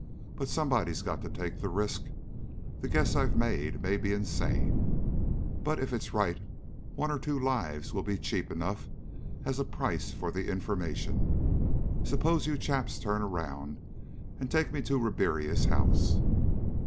But somebody's got to take the risk. The guess I've made may be insane, but if it's right one or two lives will be cheap enough as a price for the information. Suppose you chaps turn around and take me to Ribiera's house?"